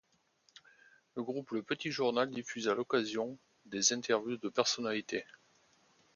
Le groupe Le Petit Journal diffuse à l'occasion des interviews de personnalités.